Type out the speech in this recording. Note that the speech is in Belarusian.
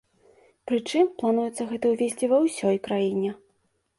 Прычым, плануецца гэта ўвесці ва ўсёй краіне.